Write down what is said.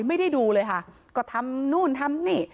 ไม่ได้ดูเลยค่ะก็ทำนู่นทำนี่